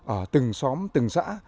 ở từng xóm từng xã